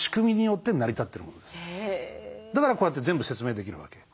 だからこうやって全部説明できるわけ。